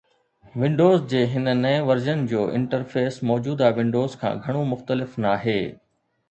windows جي هن نئين ورجن جو انٽرفيس موجوده ونڊوز کان گهڻو مختلف ناهي